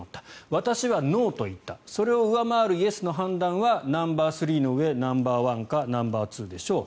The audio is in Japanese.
私はノーと言ったそれを上回るイエスの判断はナンバースリーの上ナンバーワンかナンバーツーでしょう